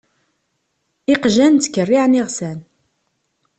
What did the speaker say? Iqjan ttkerriεen iɣsan.